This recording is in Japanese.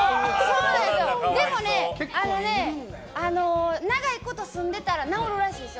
でも長いこと住んでたら治るらしいんですよ。